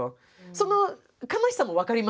その悲しさも分かります。